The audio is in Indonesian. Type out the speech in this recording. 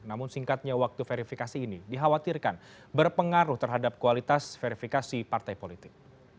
namun singkatnya waktu verifikasi ini dikhawatirkan berpengaruh terhadap kualitas verifikasi partai politik